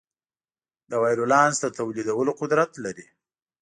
د وایرولانس د تولیدولو قدرت لري.